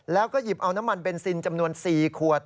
แล้วก็หยิบเอาน้ำมันเบนซินจำนวน๔ขวด